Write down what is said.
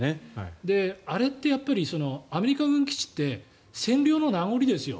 あれって、やっぱりアメリカ軍基地って占領の名残ですよ。